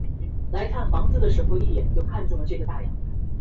中山王国琉球群岛三山时代的一个国家。